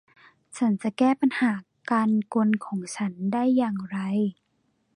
ฉันจะแก้ปัญหาการกรนของฉันได้อย่างไร